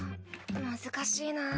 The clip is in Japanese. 難しいな。